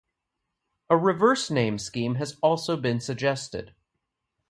A reverse name scheme has also been suggested.